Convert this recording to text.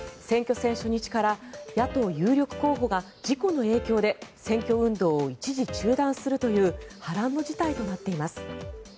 選挙戦初日から野党有力候補が事故の影響で選挙運動を一時中断するという波乱の事態となっています。